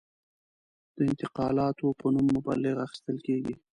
د انتقالاتو په نوم مبلغ اخیستل کېږي.